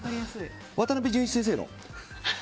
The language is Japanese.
渡辺淳一先生の？